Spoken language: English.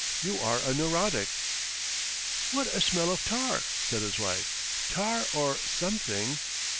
You are a neurotic!" "What a smell of tar," said his wife "tar or something